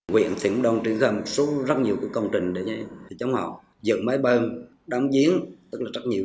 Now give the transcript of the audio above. huyện duy xuyên là một trong những vùng trọng điểm trồng lúa của tỉnh quảng nam